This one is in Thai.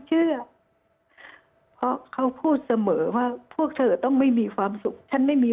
เชื่อเพราะเขาพูดเสมอว่าพวกเธอต้องไม่มีความสุขฉันไม่มี